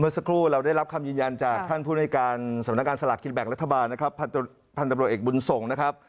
สักครู่เราได้รับคำยืนยันจากท่านผู้ในการสำนักงานสลากกินแบ่งรัฐบาลนะครับพันธบรวจเอกบุญส่งนะครับ